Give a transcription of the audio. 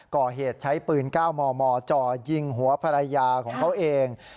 ก่อเหตุใช้ปืน๙มมจ่อยิงหัวภรรยาของเขาเอง